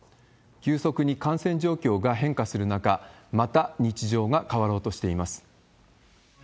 急速に感染状況が変化する中、また日常が変わろうとしています。